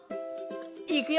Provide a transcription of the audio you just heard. いくよ！